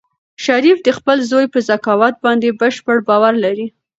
شریف د خپل زوی په ذکاوت باندې بشپړ باور لري.